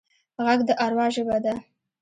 غږ د اروا ژبه ده